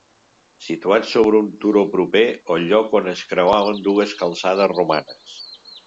Situat sobre un turó proper al lloc on es creuaven dues calçades romanes.